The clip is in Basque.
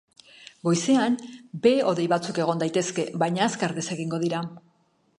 Goizean behe-hodei batzuk egon daitezke, baina azkar desegingo dira.